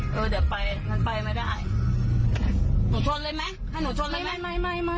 เออเดี๋ยวไปมันไปไม่ได้หนูชนเลยไหมให้หนูชนเลยไหม